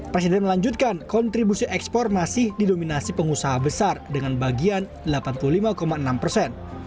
presiden melanjutkan kontribusi ekspor masih didominasi pengusaha besar dengan bagian delapan puluh lima enam persen